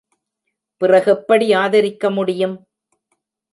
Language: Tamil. பிறகெப்படி ஆதரிக்க முடியும்?